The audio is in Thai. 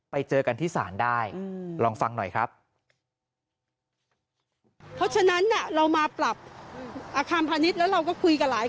ไปเจอกันที่ศาลได้ลองฟังหน่อยครับ